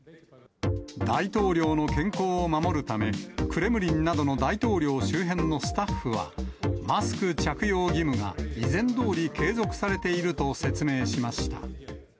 大統領の健康を守るため、クレムリンなどの大統領周辺のスタッフは、マスク着用義務が以前どおり継続されていると説明しました。